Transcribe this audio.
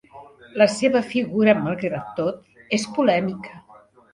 La seva figura, malgrat tot, és polèmica.